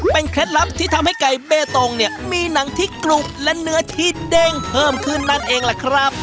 เป็นเคล็ดลับที่ทำให้ไก่เบตงเนี่ยมีหนังที่กรุบและเนื้อที่เด้งเพิ่มขึ้นนั่นเองล่ะครับ